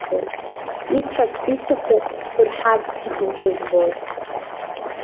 Исҳәарц исҭаху ббырҳарц бҭахымшәа збоит.